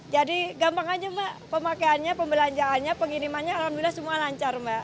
jadi gampang aja pak pemakaiannya pembelanjaannya pengirimannya alhamdulillah semua lancar mbak